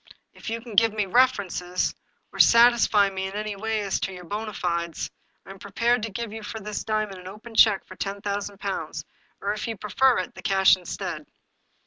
" If you can give me references, or satisfy me in any way as to your bona fides, I am prepared to give you for this diamond an open check for ten thousand pounds, or if you prefer it, the cash instead."